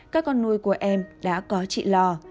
các con nuôi của em đã có chị lò